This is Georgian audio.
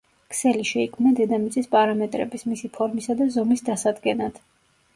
ქსელი შეიქმნა დედამიწის პარამეტრების, მისი ფორმისა და ზომის დასადგენად.